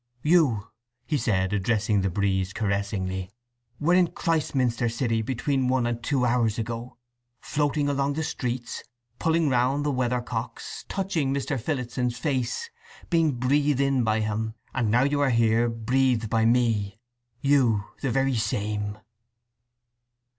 "You," he said, addressing the breeze caressingly "were in Christminster city between one and two hours ago, floating along the streets, pulling round the weather cocks, touching Mr. Phillotson's face, being breathed by him; and now you are here, breathed by me—you, the very same."